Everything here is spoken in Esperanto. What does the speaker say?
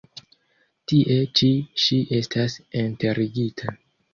Tie ĉi ŝi estas enterigita.